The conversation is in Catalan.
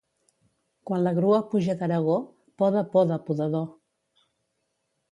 Quan la grua puja d'Aragó, poda, poda, podador.